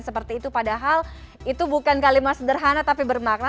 seperti itu padahal itu bukan kalimat sederhana tapi bermakna